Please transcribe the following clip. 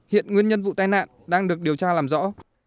hiện nguyên nhân vụ tai nạn đang được điều tra làm rõ